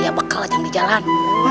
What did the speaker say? ia bakal aja yang di jalan